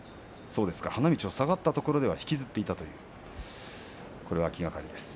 花道を下がったところでは引きずっていたということなんですね。